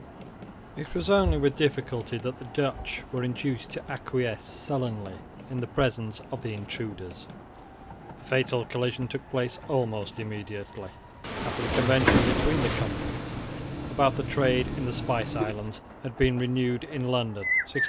It was only with difficulty that the Dutch were induced to acquiesce sullenly in the presence of the intruders. A fatal collision took place almost immediately after the convention between the Companies, about the trade in the spice islands, had been renewed in London, 1622 3.